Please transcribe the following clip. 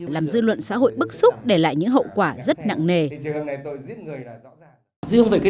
làm dư luận xúc để lại những hậu quả rất nặng nề